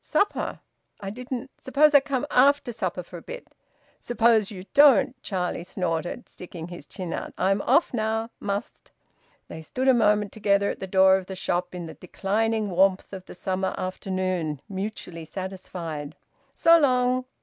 "Supper? I didn't Suppose I come after supper for a bit?" "Suppose you don't!" Charlie snorted, sticking his chin out. "I'm off now. Must." They stood a moment together at the door of the shop, in the declining warmth of the summer afternoon, mutually satisfied. "So long!"